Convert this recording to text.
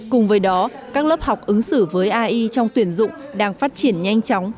cùng với đó các lớp học ứng xử với ai trong tuyển dụng đang phát triển nhanh chóng